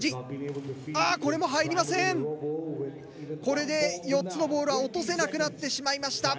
これで４つのボールは落とせなくなってしまいました。